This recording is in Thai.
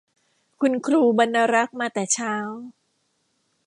คุณครูบรรณารักษ์มาแต่เช้า